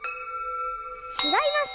ちがいます！